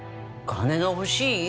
金が欲しい？